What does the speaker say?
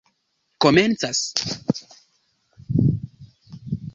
komencas